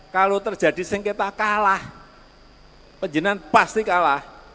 kalau terjadi sengketa kalah penjenan pasti kalah